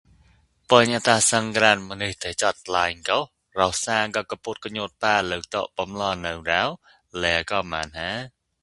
ပုင်အတးသင်္ကြာန်မၞိဟ်ဒးစိုတ်ဂၠိုင်ဂှ်ရှ်သာကဵုကပေါတ်ကညောတ်ပါလုပ်တံဗီုလဵုနွံရော လဴကဵုမာန်ဟာ?